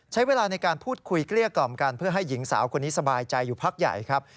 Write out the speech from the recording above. ใช้เวลาในการพูดคุยเกลี้ยกล่อมกันเพื่อให้หญิงสาวคนนี้สบายใจอยู่พักใหญ่ครับ